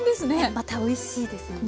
またおいしいですよね。